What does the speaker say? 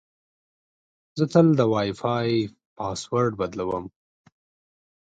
زه تل د وای فای پاسورډ بدلوم.